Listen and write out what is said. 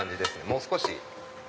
もう少し。